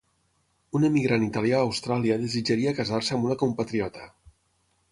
Un emigrant italià a Austràlia desitjaria casar-se amb una compatriota.